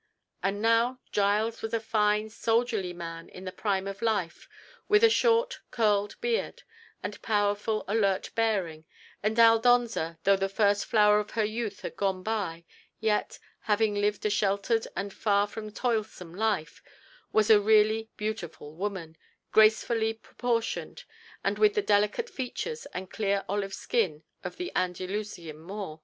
And now Giles was a fine, soldierly man in the prime of life, with a short, curled beard, and powerful, alert bearing, and Aldonza, though the first flower of her youth had gone by, yet, having lived a sheltered and far from toilsome life, was a really beautiful woman, gracefully proportioned, and with the delicate features and clear olive skin of the Andalusian Moor.